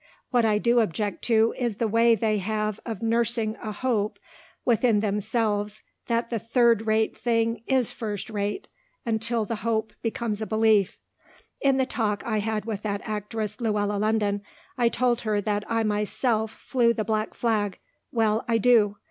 What I do object to is the way they have of nursing a hope within themselves that the third rate thing is first rate until the hope becomes a belief. In the talk I had with that actress Luella London I told her that I myself flew the black flag. Well, I do.